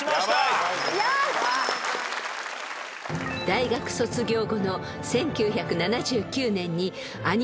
［大学卒業後の１９７９年に］